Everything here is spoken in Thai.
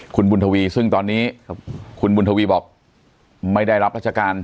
คุณบุญทวีซึ่งตอนนี้คุณบุญทวีบอกไม่ได้รับราชการ